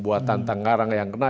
buatan tenggarang yang kenal